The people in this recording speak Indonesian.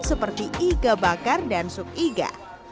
seperti iga bakar dan sup iga